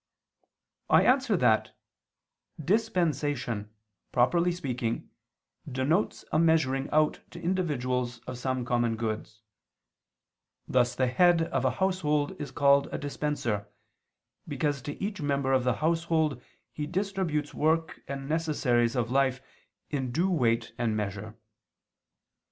I answer that, Dispensation, properly speaking, denotes a measuring out to individuals of some common goods: thus the head of a household is called a dispenser, because to each member of the household he distributes work and necessaries of life in due weight and measure.